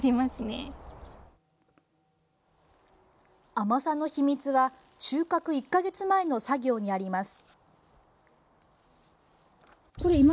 甘さの秘密は収穫１か月前の作業にあります。